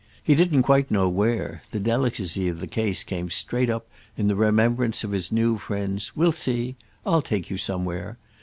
He didn't quite know where; the delicacy of the case came straight up in the remembrance of his new friend's "We'll see; I'll take you somewhere!"